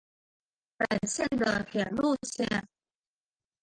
本线的铁路线。